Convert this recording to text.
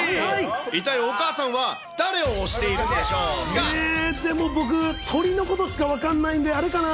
一体、お母さんは誰を推しているでも僕、鳥のことしか分かんないんで、あれかな？